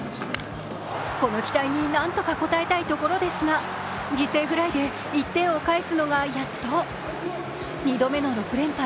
この期待になんとか応えたいところですが犠牲フライで１点を返すのがやっと２度目の６連敗。